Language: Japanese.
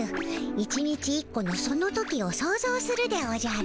１日１個のその時を想ぞうするでおじゃる。